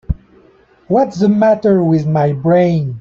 What's the matter with my brain?